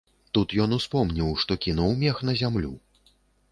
Тут ён успомніў, што кінуў мех на зямлю.